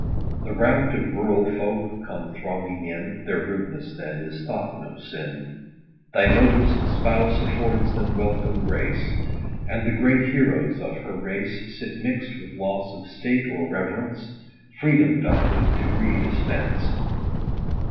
The rout of rural folk come thronging in, (Their rudeness then is thought no sin) Thy noblest spouse affords them welcome grace ; And the great heroes of her race Sit mixt with loss of state, or reverence. Freedom doth with degree dispense.